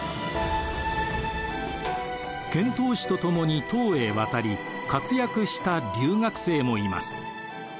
遣唐使とともに唐へ渡り活躍した留学生もいます。